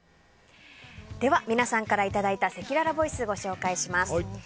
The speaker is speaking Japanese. では、皆さんからいただいたせきららボイスをご紹介します。